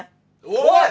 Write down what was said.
おい！